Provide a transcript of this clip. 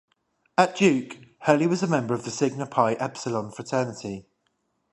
At Duke, Hurley was a member of the Sigma Phi Epsilon fraternity.